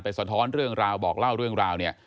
สะท้อนเรื่องราวบอกเล่าเรื่องราวเนี่ย